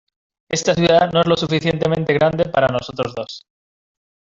Esta ciudad no es lo suficientemente grande para nosotros dos.